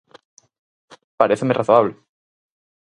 Paréceme razoable.